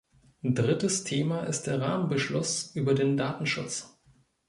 Drittes Thema ist der Rahmenbeschluss über den Datenschutz.